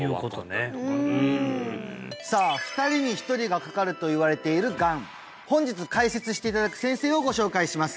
うんさあ２人に１人がかかるといわれているがん本日解説していただく先生をご紹介します